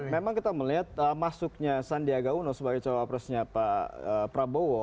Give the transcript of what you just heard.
memang kita melihat masuknya sandiaga uno sebagai cowok presnya pak prabowo